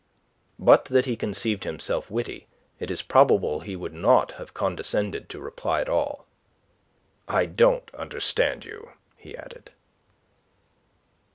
But that he conceived himself witty, it is probable he would not have condescended to reply at all. "I don't understand you," he added.